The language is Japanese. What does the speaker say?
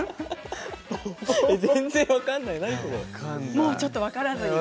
全然分からない。